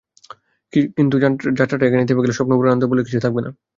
কিন্তু যাত্রাটা এখানেই থেমে গেলে স্বপ্নপূরণের আনন্দ বলে কিছু থাকবে না।